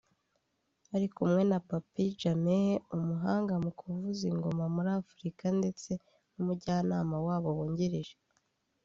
Bari kumwe na Papi Jameh umuhanga mu kuvuza ngoma muri Afurika ndetse n’umujyanama wabo wungirije